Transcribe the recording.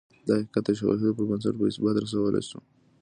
دا حقیقت د شواهدو پر بنسټ په اثبات رسولای شو